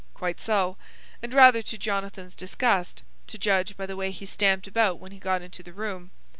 "Quite so. And rather to Jonathan's disgust, to judge by the way he stamped about when he got into the room.